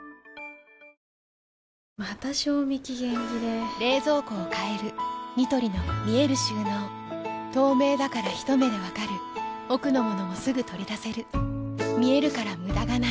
また賞味期限切れ冷蔵庫を変えるニトリの見える収納透明だからひと目で分かる奥の物もすぐ取り出せる見えるから無駄がないよし。